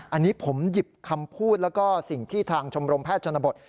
อันนี้ผมหยิบคำพูดแล้วก็สิ่งที่ทางชมรมแพทย์ชนบท